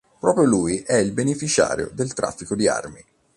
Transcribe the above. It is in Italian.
Proprio lui è il beneficiario del traffico di armi.